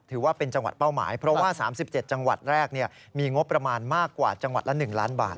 ถือว่าเป็นจังหวัดเป้าหมายเพราะว่า๓๗จังหวัดแรกมีงบประมาณมากกว่าจังหวัดละ๑ล้านบาท